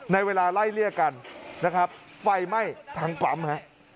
ในเวลาไล่เลี่ยกันนะครับไฟไหม้ทางปั๊มฮะ